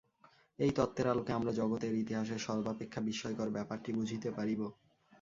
এই তত্ত্বের আলোকে আমরা জগতের ইতিহাসের সর্বাপেক্ষা বিস্ময়কর ব্যাপারটি বুঝিতে পারিব।